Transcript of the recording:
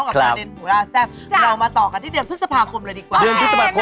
กลับมาแล้วนะคะ